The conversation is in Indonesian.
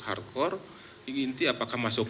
hardcore apakah dia masuk